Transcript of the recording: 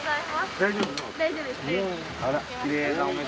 大丈夫です。